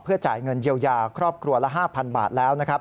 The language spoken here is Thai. เพื่อจ่ายเงินเยียวยาครอบครัวละ๕๐๐๐บาทแล้ว